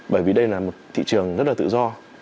bởi vì đây là một thị trường rất là tự do